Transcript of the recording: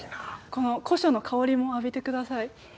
この古書の香りも浴びて下さい。